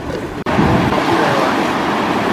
تون پسي رهيو آهين